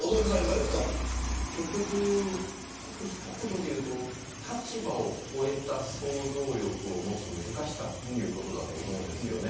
結局、一言で言うと立場を超えた想像力を持つ難しさということだと思うんですよね。